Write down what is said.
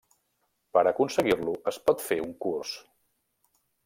Per aconseguir-lo es pot fer un curs.